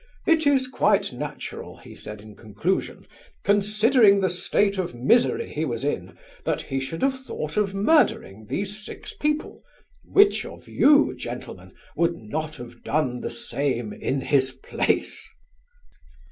'It is quite natural,' he said in conclusion, 'considering the state of misery he was in, that he should have thought of murdering these six people; which of you, gentlemen, would not have done the same in his place?